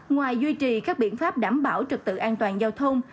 ngoài duy trì các biện pháp đảm bảo trực tự an toàn giao thông